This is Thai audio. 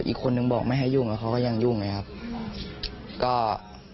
อีกคนนึงบอกไม่ให้ยุ่งแล้วเขาก็ยังยุ่งไงครับก็